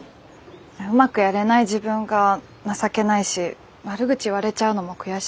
うまくやれない自分が情けないし悪口言われちゃうのも悔しいし。